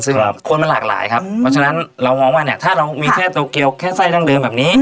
ซึ่งคนมันหลากหลายครับ